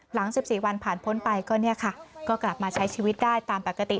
หลัง๑๔วันผ่านพ้นไปก็กลับมาใช้ชีวิตได้ตามปกติ